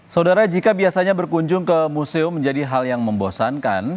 saudara jika biasanya berkunjung ke museum menjadi hal yang membosankan